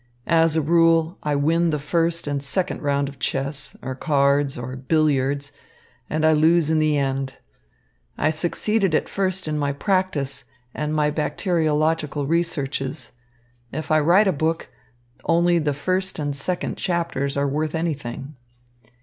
As a rule I win the first and second round of chess, or cards, or billiards, and lose in the end. I succeeded at first in my practice and my bacteriological researches. If I write a book, only the first and second chapters are worth anything."